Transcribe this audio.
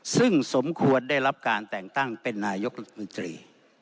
ซึ่งสมควรได้รับการแต่งตั้งเป็นนายกรัฐมนตรี